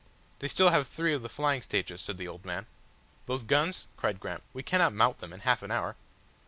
"They still have three of the flying stages," said the old man. "Those guns?" cried Graham. "We cannot mount them in half an hour."